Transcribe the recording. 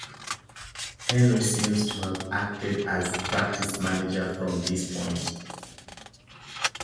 Henry seems to have acted as practice manager from this point.